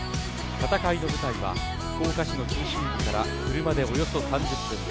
戦いの舞台は福岡市の中心部から車でおよそ３０分。